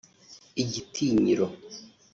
igitinyiro